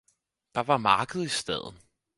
Der var marked i staden.